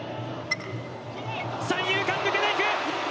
三遊間抜けていく！